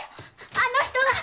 あの人が！